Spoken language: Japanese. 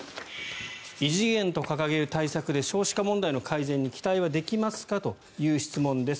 異次元と掲げる対策で少子化問題の改善に期待はできますか？という質問です。